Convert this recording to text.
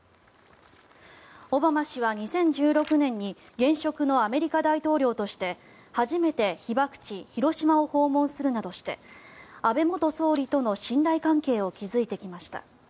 オバマ氏は２０１６年に現職のアメリカ大統領として初めて被爆地・広島を訪問するなどして安倍元総理との信頼関係を築いてきました。